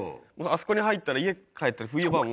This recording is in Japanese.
あそこに入ったら家帰ったら。